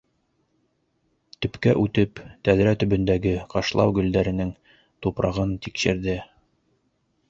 Төпкә үтеп, тәҙрә төбөндәге ҡышлау гөлдәренең тупрағын тикшерҙе.